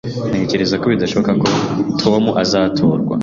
Ntekereza ko bidashoboka ko Tom azatorwa